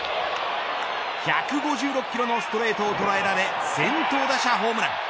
１５６キロのストレートを捉えられ先頭打者ホームラン。